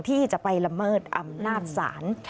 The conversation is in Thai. ที่จะไปละเมิดอำนาจศาล